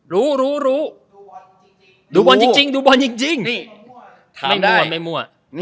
รู้รู้รู้ดูบอลจริงจริงดูบอลจริงจริงนี่ถามได้ไม่มั่วไม่มั่ว